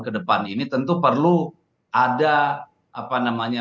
kedepan ini tentu perlu ada apa namanya